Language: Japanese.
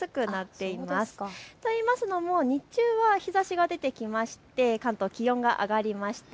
といいますのも日中は日ざしが出てきまして関東、気温が上がりがました。